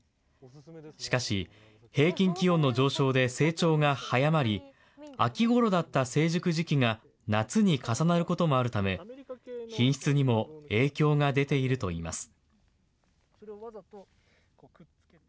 しかし、平均気温の上昇で成長が早まり、秋ごろだった成熟時期が夏に重なることもあるため、品質にも影響が出ているといいます。